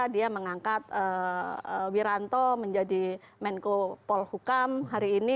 dia mengangkat wiranto menjadi menko polhukam hari ini